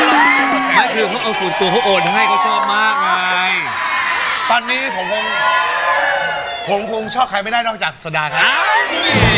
ไม่คือเขาเอาส่วนตัวเขาโอนให้เขาชอบมากไงตอนนี้ผมคงชอบใครไม่ได้นอกจากโซดาครับ